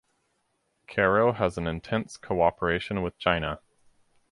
Caro has an intense cooperation with China.